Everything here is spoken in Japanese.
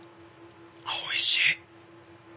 おいしい！